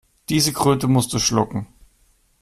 Diese Kröte musst du schlucken.